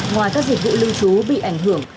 ngoài các dịch vụ lưu trú bị ảnh hưởng